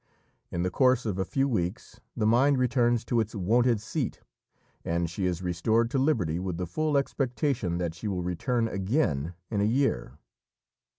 In the course of a few weeks the mind returns to its wonted seat, and she is restored to liberty with the full expectation that she will return again in a year.